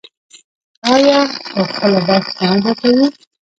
آیا او خپله برخه نه ادا کوي؟